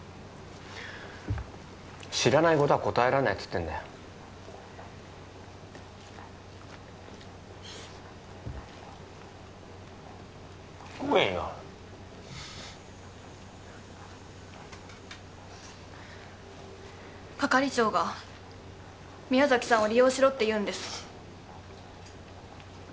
知らないことは答えられないっつってんだよ食えよ係長が宮崎さんを利用しろって言うんです